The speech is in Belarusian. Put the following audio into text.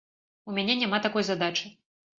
У мяне няма такой задачы.